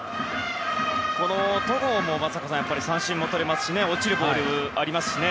戸郷も、松坂さんやっぱり三振もとれますし落ちるボールがありますしね。